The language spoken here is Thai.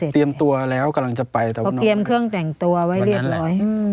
เตรียมตัวแล้วกำลังจะไปเตรียมเครื่องแต่งตัวไว้เรียบร้อยอือ